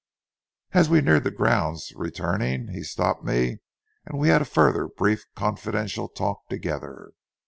As we neared the grounds returning, he stopped me and we had a further brief confidential talk together.